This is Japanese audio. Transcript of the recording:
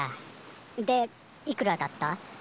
でいくらだった？